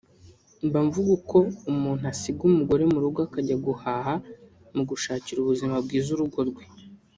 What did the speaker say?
"Mba mvuga uko umuntu asiga umugore mu rugo akajya guhaha mu gushakira ubuzima bwiza urugo rwe